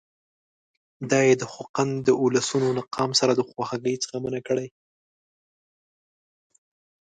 دا یې د خوقند د اولسونو له قیام سره د خواخوږۍ څخه منع کړي.